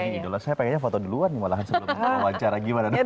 ini idola ini idola saya pengennya foto duluan malahan sebelum wawancara gimana dong